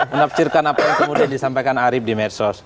menafsirkan apa yang kemudian disampaikan arief di medsos